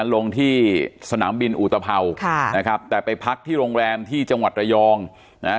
ลงที่สนามบินอุตภาวค่ะนะครับแต่ไปพักที่โรงแรมที่จังหวัดระยองนะฮะ